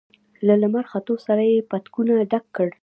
له لمر ختو سره يې پتکونه ډک کړل.